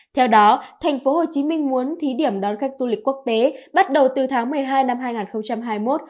theo đó thành phố hồ chí minh muốn thí điểm đón khách du lịch quốc tế bắt đầu từ tháng một mươi hai năm hai nghìn hai mươi một